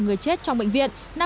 một người chết trong bệnh viện